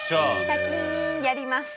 シャキンやります。